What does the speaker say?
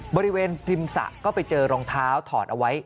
บริเวณพริมสระก็ไปเจอรองเท้าถอดเอาไว้